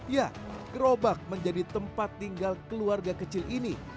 ya gerobak menjadi tempat tinggal keluarga kecil ini